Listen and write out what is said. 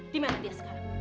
dimana dia sekarang